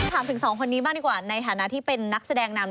ถามถึงสองคนนี้บ้างดีกว่าในฐานะที่เป็นนักแสดงนำ